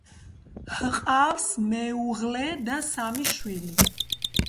ჰყავს მეუღლე და სამი შვილი.